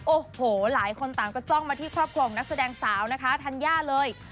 โอ้โหหลายคนต่างก็จ้องมาที่ครอบครัวของนักแสดงสาวนะคะธัญญาเลย